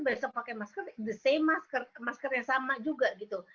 besok pakai masker the same masker masker yang sama juga gitu